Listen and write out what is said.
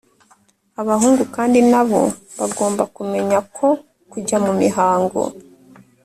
Abahungu kandi na bo bagomba kumenya ko kujya mu mihango